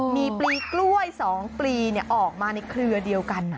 มีปลีกล้วย๒ปลีออกมาในเครือเดียวกัน